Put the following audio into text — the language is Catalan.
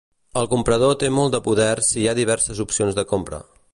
El comprador té molt de poder si hi ha diverses opcions de compra.